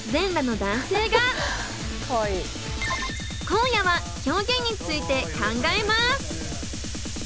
今夜は表現について考えます。